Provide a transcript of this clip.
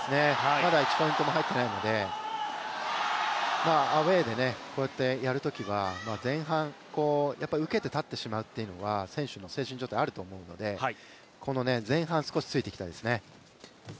まだ１ポイントも入っていないのでアウェーでこうやってやるときは前半、受けて立ってしまうというのが選手の精神状態、あると思うので、前半、ついていきたいですね。